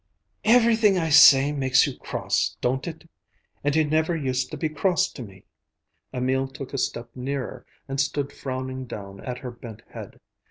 "Everything I say makes you cross, don't it? And you never used to be cross to me." Emil took a step nearer and stood frowning down at her bent head.